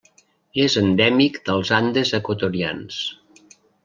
És endèmic dels Andes equatorians.